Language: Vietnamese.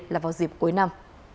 là vào dịp cuối năm